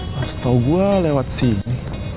mas tau gua lewat sini